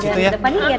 kita juga jalanin